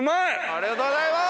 ありがとうございます。